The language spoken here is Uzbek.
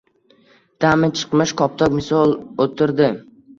Dami chiqmish koptok misol o‘tirdi.